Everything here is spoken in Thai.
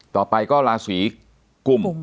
ต่อไปก็ราศีกลุ่ม